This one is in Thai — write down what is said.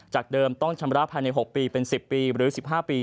เดิมต้องชำระภายใน๖ปีเป็น๑๐ปีหรือ๑๕ปี